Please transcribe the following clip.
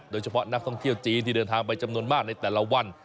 โดยเฉพาะนักท่องเที่ยวจีนที่เดินทางไปจำนวนมากในแต่ละวัน